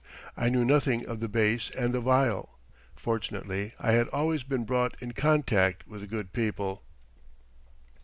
I knew nothing of the base and the vile. Fortunately I had always been brought in contact with good people.